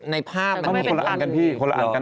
ในภาพมันเห็นว่าคนละอ่านกันพี่คนละอ่านกัน